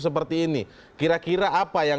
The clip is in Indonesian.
seperti ini kira kira apa yang